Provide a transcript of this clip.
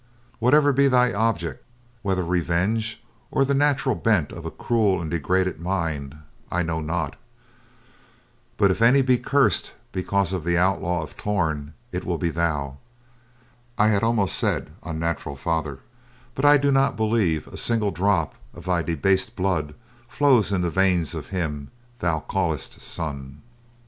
"Whatever be thy object: whether revenge or the natural bent of a cruel and degraded mind, I know not; but if any be curst because of the Outlaw of Torn, it will be thou—I had almost said, unnatural father; but I do not believe a single drop of thy debased blood flows in the veins of him thou callest son."